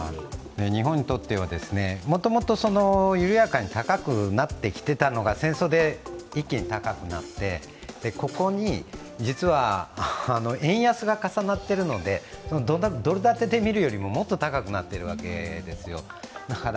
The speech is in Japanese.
日本にとっては、もともと緩やかに高くなってきていたのが戦争で一気に高くなって、ここに実は円安が重なっているのでドル建てで見るよりももっと高くなっているわけです。